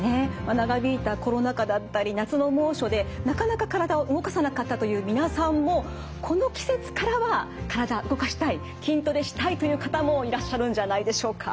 長引いたコロナ禍だったり夏の猛暑でなかなか体を動かさなかったという皆さんもこの季節からは体動かしたい筋トレしたいという方もいらっしゃるんじゃないでしょうか。